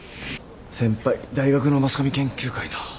先輩大学のマスコミ研究会の。